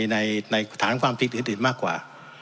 ในฐานความผิดอื่นมากกว่า